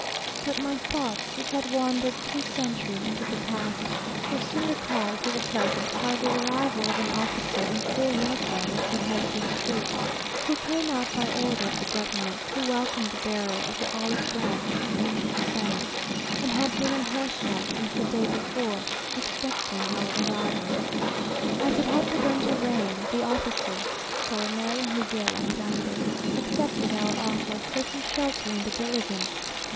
But my thoughts which had wandered three centuries into the past, were soon recalled to the present by the arrival of an officer in full uniform at the head of his troop, who came out by order of the government to welcome the bearer of the olive branch from ancient Spain, and had been on horseback since the day before, expecting our arrival. As it had begun to rain, the officer, Colonel Miguel Andrade, accepted our offer of taking shelter in the diligence.